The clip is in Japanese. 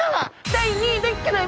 第２位！